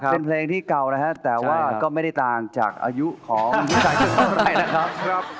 เป็นเพลงที่เก่านะฮะแต่ว่าก็ไม่ได้ต่างจากอายุของผู้ชายตึกเท่าไหร่นะครับ